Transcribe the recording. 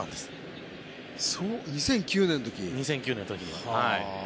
２００９年の時。